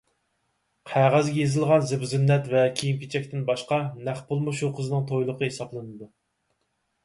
قەغەزگە يېزىلغان زىبۇ-زىننەت ۋە كىيىم-كېچەكتىن باشقا، نەق پۇلمۇ شۇ قىزنىڭ تويلۇقى ھېسابلىنىدۇ.